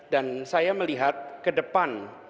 dan saya melihat ke depan